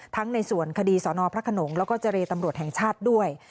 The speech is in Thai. ในส่วนคดีสนพระขนงแล้วก็เจรตำรวจแห่งชาติด้วย